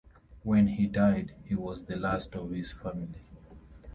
When he died, he was the last of his family.